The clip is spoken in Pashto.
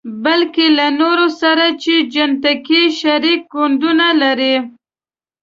بلکې له نورو سره چې جنتیکي شريک کوډونه لري.